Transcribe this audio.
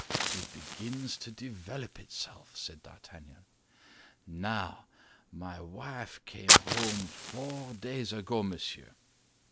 It begins to develop itself," said D'Artagnan. "Now, my wife came home four days ago, monsieur.